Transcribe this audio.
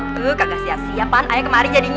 tuh kagak siap dua an ayo kemari jadinya